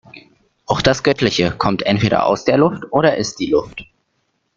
Auch das Göttliche kommt entweder aus der Luft oder ist die Luft.